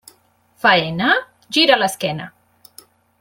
Faena?, gira l'esquena.